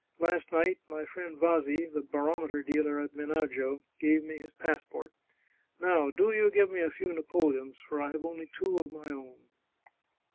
Last night my friend Vasi, the barometer dealer at Menagio, gave me his passport. Now do you give me a few napoleons, for I have only two of my own.